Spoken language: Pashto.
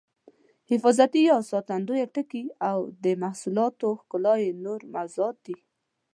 حفاظتي یا ساتندویه ټکي او د محصولاتو ښکلا یې نور موضوعات دي.